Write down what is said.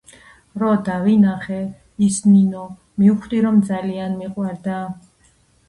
რო დავინახე ის ნინო მივხვდი რომ ძალიან მიყვარდა